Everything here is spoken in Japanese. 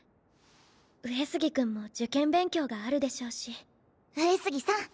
上杉君も受験勉強があるでしょうし上杉さん